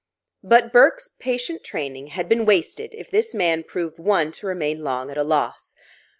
But Bourke's patient training had been wasted if this man proved one to remain long at loss.